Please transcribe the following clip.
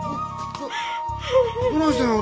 どどないしたんや？